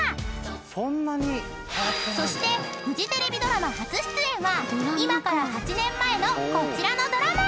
［そしてフジテレビドラマ初出演は今から８年前のこちらのドラマ］